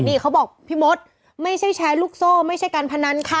นี่เขาบอกพี่มดไม่ใช่แชร์ลูกโซ่ไม่ใช่การพนันค่ะ